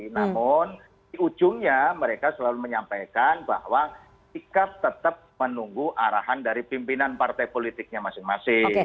namun di ujungnya mereka selalu menyampaikan bahwa sikap tetap menunggu arahan dari pimpinan partai politiknya masing masing